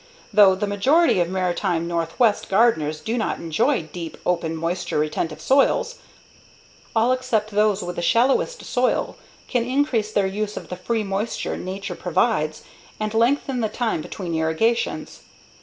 Though the majority of maritime Northwest gardeners do not enjoy deep, open, moisture retentive soils, all except those with the shallowest soil can increase their use of the free moisture nature provides and lengthen the time between irrigations.